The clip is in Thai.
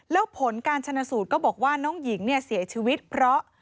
แล้วผลการชนสูตรก็บอกว่าน้องหญิงเนี่ยเสียชีวิตเพราะ